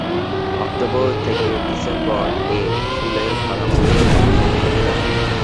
October থেকে December এর ফুলের ভরা মৌসুম।